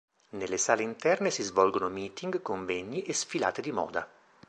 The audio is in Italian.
Nelle sale interne si svolgono meeting, convegni e sfilate di moda.